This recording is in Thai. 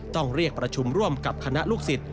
ต้องเรียกประชุมร่วมกับคณะลูกศิษย